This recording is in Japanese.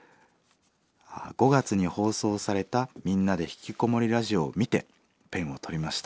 「５月に放送された『みんなでひきこもりラジオ』を見てペンを執りました」。